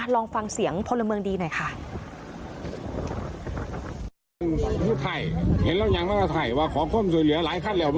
ลองฟังเสียงพลเมืองดีหน่อยค่ะ